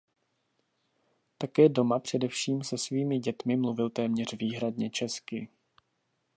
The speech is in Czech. Také doma především se svými dětmi mluvil téměř výhradně česky.